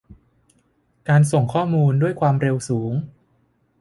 การส่งข้อมูลด้วยความเร็วสูง